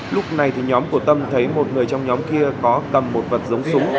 lúc này thì nhóm của tâm thấy một người trong nhóm kia có cầm một vật giống súng